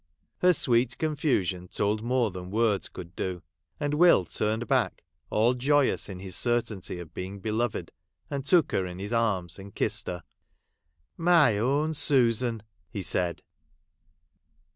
Her sweet con fusion told more than words could do ; and Will turned back, all joyous in his certainty of being beloved, and took her in his arms and kissed her. ' My own Susan !' he said.